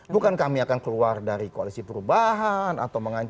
bukan kami akan keluar dari koalisi perubahan atau mengancam